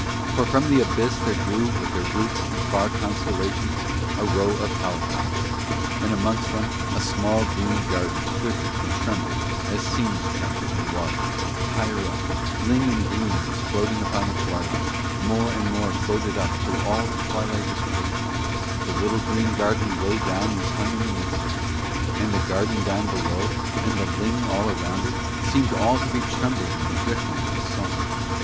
For from the abyss there grew with their roots in far constellations a row of hollyhocks, and amongst them a small green garden quivered and trembled as scenes tremble in water; higher up, ling in bloom was floating upon the twilight, more and more floated up till all the twilight was purple; the little green garden low down was hung in the midst of it. And the garden down below, and the ling all round it, seemed all to be trembling and drifting on a song.